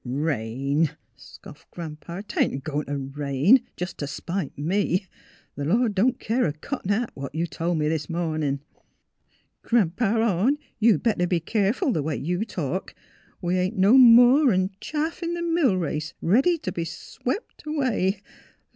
" Rain! " scoffed Gran 'pa. '' 'Tain't a goin' t' rain, jes' t' spite me. Th' Lord don't care a cotton hat what you tol' me this mornin'." '' Gran 'pa Orne, you'd better be keerful th' way you talk. We ain't no mor'n 'n chaff in th' mill race, ready t ' be swep ' away.